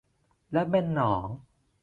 และเป็นหนอง